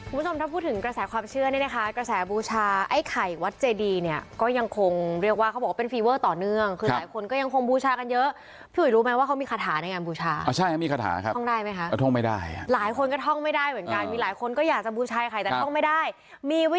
คุณผู้ชมถ้าพูดถึงกระแสความเชื่อเนี่ยนะคะกระแสบูชาไอ้ไข่วัดเจดีเนี่ยก็ยังคงเรียกว่าเขาบอกว่าเป็นฟีเวอร์ต่อเนื่องคือหลายคนก็ยังคงบูชากันเยอะพี่อุ๋ยรู้ไหมว่าเขามีคาถาในงานบูชาอ่าใช่มีคาถาครับท่องได้ไหมคะก็ท่องไม่ได้หลายคนก็ท่องไม่ได้เหมือนกันมีหลายคนก็อยากจะบูชายไข่แต่ท่องไม่ได้มีวิ